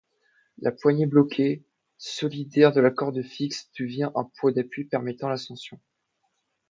La poignée bloquée, solidaire de la corde fixe devient un point d'appui permettant l'ascension.